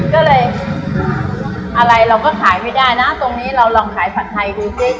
ก็เลยอะไรเราก็ขายไม่ได้นะตรงนี้เราลองขายผัดไทยดูสิ